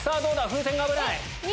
風船が危ない。